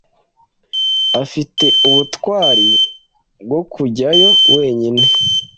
Afite ubutwari bwo kujyayo wenyine.